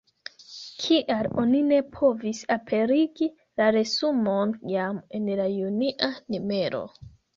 Kial oni ne povis aperigi la resumon jam en la junia numero?